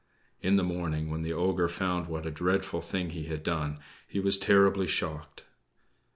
In the morning, when the ogre found what a dreadful thing he had done, he was terribly shocked.